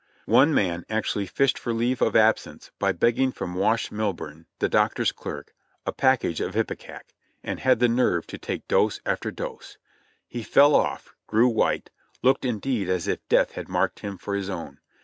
One man actually fished for leave of absence by beg ging from Wash Milburn, the doctor's clerk, a package of ipecac, and had the nerve to take dose after dose. He fell off — grew white, looked indeed as if death had marked him for his own.